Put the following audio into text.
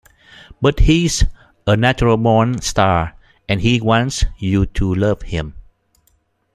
But he's a natural-born star and he wants you to love him.